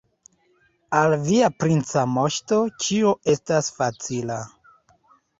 Al via princa moŝto ĉio estas facila.